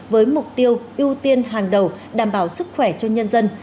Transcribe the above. với mục tiêu ưu tiên hàng đầu đảm bảo sức khỏe cho nhân dân